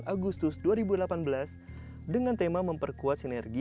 agustus dua ribu delapan belas dengan tema memperkuat sinergi